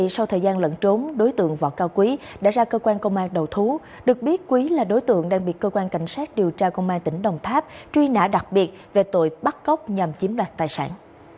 sau thời gian lẫn trốn đối tượng võ cao quý đã ra cơ quan công an đầu thú được biết quý là đối tượng đang bị cơ quan cảnh sát điều tra công an tỉnh đồng tháp truy nã đặc biệt về tội bắt cóc nhằm chiếm đoạt tài sản